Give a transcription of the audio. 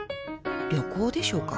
旅行でしょうか？］